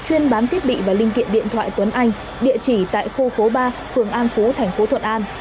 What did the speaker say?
chuyên bán thiết bị và linh kiện điện thoại tuấn anh địa chỉ tại khu phố ba phường an phú thành phố thuận an